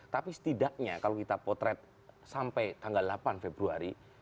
tapi setidaknya kalau kita potret sampai tanggal delapan februari